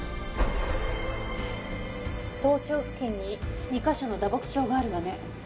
頭頂付近に２か所の打撲傷があるわね。